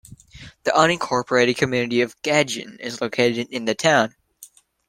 The unincorporated community of Gagen is located in the town.